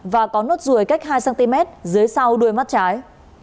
và có nốt ruồi cách hai cm dưới sau đuôi mắt trái